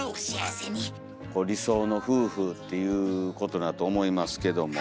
理想の夫婦っていうことだと思いますけども。